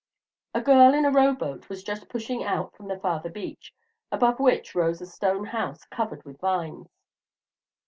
A girl in a row boat was just pushing out from the farther beach, above which rose a stone house covered with vines.